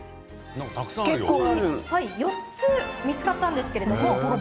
４つ見つかったんですけれども。